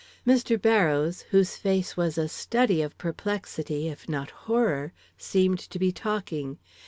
Mr. Barrows, whose face was a study of perplexity, if not horror, seemed to be talking.